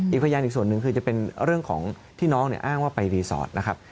พยานอีกส่วนหนึ่งคือจะเป็นเรื่องของที่น้องเนี่ยอ้างว่าไปรีสอร์ทนะครับ